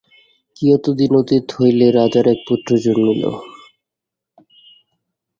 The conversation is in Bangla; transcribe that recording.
কিয়ৎ দিন অতীত হইলে রাজার এক পুত্র জন্মিল।